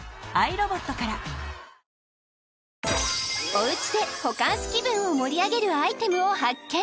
おうちでホカンス気分を盛り上げるアイテムを発見